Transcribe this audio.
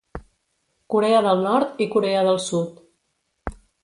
Corea del Nord i Corea del Sud.